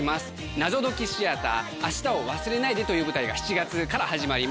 ナゾドキシアター『アシタを忘れないで』という舞台が７月から始まります。